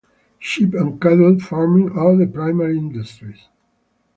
Sheep and cattle farming are the primary industries.